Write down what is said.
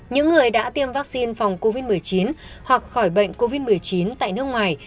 những người đã tiêm vaccine phòng covid một mươi chín hoặc khỏi bệnh covid một mươi chín tại nước ngoài